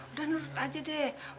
udah nurut aja deh